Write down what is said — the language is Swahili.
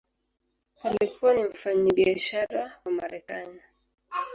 Alikuwa ni mfanyabiashara wa Marekani.